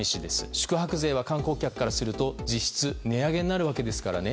宿泊税は観光客からすると実質値上げですからね。